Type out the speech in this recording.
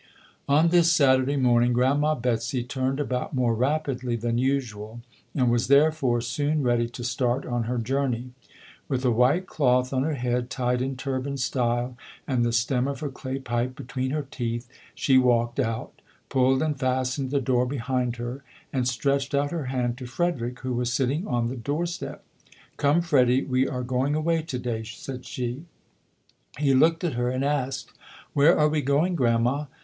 On this Saturday morning Grandma Betsy turned about more rapidly than usual and was therefore soon ready to start on her journey. With a white cloth on her head tied in turban style and the stem of her clay pipe between her teeth, she walked out, pulled and fastened the door behind her and stretched out her hand to Frederick who was sitting on the door step. "Come, Freddie, we are going away today", said she. He looked at her and asked, "Where are we going, Grandma?"